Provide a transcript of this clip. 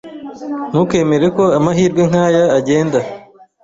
Ntukemere ko amahirwe nkaya agenda.